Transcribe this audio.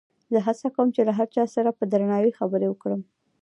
زه هڅه کوم چې له هر چا سره په درناوي خبرې وکړم.